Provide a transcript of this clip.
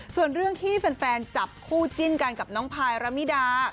ส่วนเรื่องที่แฟนจับคู่จิ้นกันกับน้องพายระมิดา